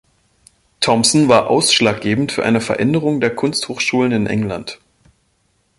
Thompson war ausschlaggebend für eine Veränderung der Kunsthochschulen in England.